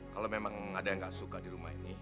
kalau memang ada yang nggak suka di rumah ini